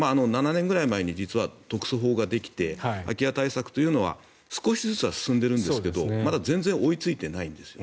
７年ぐらい前に実は特措法ができて空き家対策というのは少しずつは進んでいるんですがまだ全然追いついていないんです。